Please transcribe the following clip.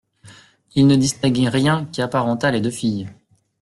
Il ne distinguait rien qui apparentât les deux filles.